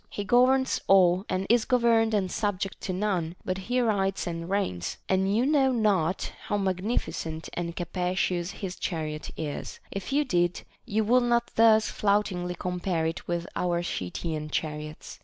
He governs all, and is governed and subject to none, but he rides and reigns ; and you know not how magnificent and capacious his chariot is ; if you did, you would not thus floutingly compare it with our Scythian chariots.